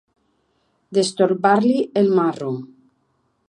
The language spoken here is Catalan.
Destorbar-li el marro.